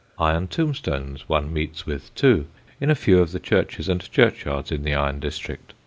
Iron tombstones one meets with too in a few of the churches and churchyards in the iron district.